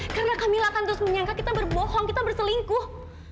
karena kamila akan terus menyangka kita berbohong kita berselingkuh